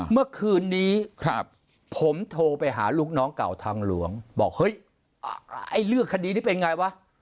เมื่อคืนนี้ผมโทรไปหาลูกน้องเก่าทางหลวงบอกเฮ้ยไอ้เรื่องคดีนี้เป็นไงวะ